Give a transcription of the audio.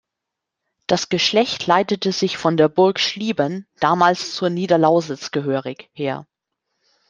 Das Geschlecht leitete sich von der Burg Schlieben, damals zur Niederlausitz gehörig, her.